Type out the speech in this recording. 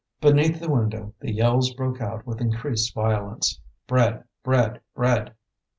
Beneath the window the yells broke out with increased violence: "Bread! bread! bread!"